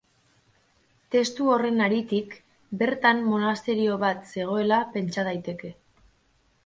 Testu horren haritik bertan monasterio bat zegoela pentsa daiteke.